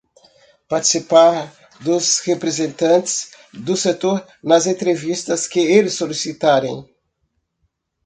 Participar dos representantes do setor nas entrevistas que eles solicitarem.